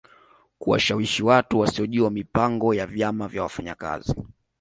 Kuwashawishi watu wasiojua mipango ya vyama vya wafanyakazi